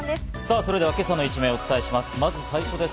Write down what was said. それでは今朝の一面をお伝えします。